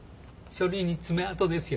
書類に爪痕ですよ。